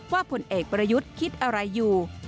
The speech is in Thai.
ผลเอกประยุทธ์คิดอะไรอยู่